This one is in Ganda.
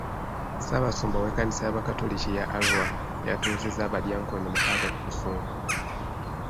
Ssaabasumba w'ekkanisa y'abakatoliki ya Arua yatuuzizza abadyankoni mukaaga ku busumba.